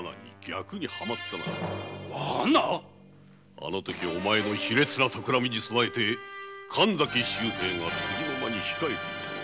あの時お前の卑劣なたくらみに備えて神崎が次の間にいたのだ。